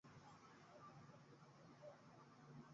Kabiliana na idadi ya mbwa koko